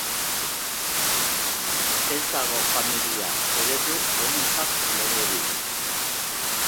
Ez dago familia eredu honentzat legerik.